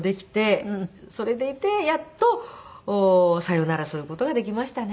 それでいてやっとさよならする事ができましたね。